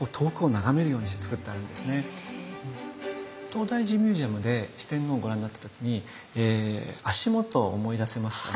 東大寺ミュージアムで四天王をご覧になった時に足元思い出せますか？